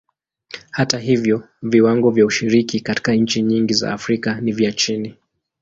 Hata hivyo, viwango vya ushiriki katika nchi nyingi za Afrika ni vya chini.